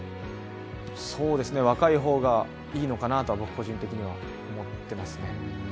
若い方がいいのかなとは僕個人的には思っていますね。